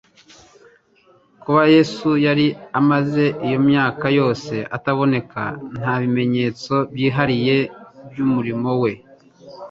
Kuba Yesu yari amaze iyo mvaka yose ataboneka nta bimenyetso byihanye by'umurimo we,